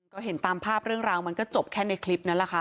ก็เห็นตามภาพเรื่องราวมันก็จบแค่ในคลิปนั้นแหละค่ะ